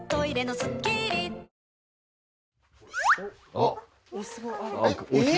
あっ。